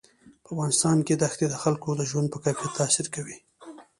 په افغانستان کې دښتې د خلکو د ژوند په کیفیت تاثیر کوي.